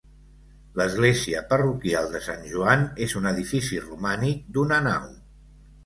L’església parroquial de Sant Joan és un edifici romànic d’una nau.